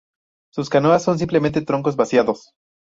Sus canoas son simplemente troncos vaciados.